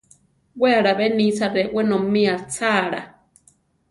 We alábe nisa re wenómi achála.